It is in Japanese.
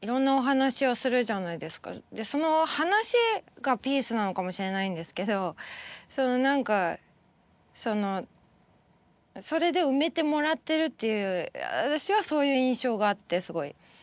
でその話がピースなのかもしれないんですけどその何かそのそれで埋めてもらってるっていう私はそういう印象があってすごい。